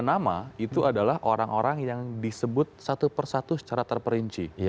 tiga puluh dua nama itu adalah orang orang yang disebut satu per satu secara terperinci